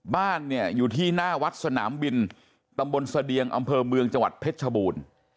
บ้านเนี่ยอยู่ที่หน้าวัดสนามบินตำบลเสดียงอำเภอเมืองจังหวัดเพชรชบูรณ์